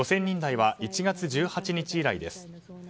５０００人台は１月１８日以来です。